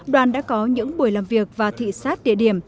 đoàn đã có những buổi làm việc và thị xác địa điểm